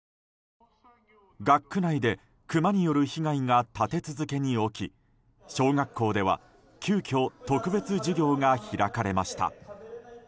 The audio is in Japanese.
学区内でクマによる被害が立て続けに起き小学校では急きょ特別授業が開かれました。